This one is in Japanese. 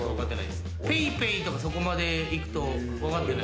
ＰａｙＰａｙとかそこまでいくと分かってない。